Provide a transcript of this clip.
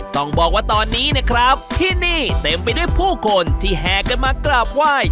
ต้องบอกว่าตอนนี้เนี่ยครับที่นี่เต็มไปด้วยผู้คนที่แห่กันมากราบไหว้